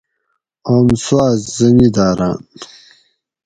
اوم سُواٞ زمیداٞراٞن